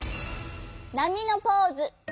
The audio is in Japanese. なみのポーズ。